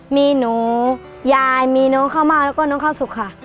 มีหนูยายมีน้องข้าวมากแล้วก็น้องข้าวสุกค่ะ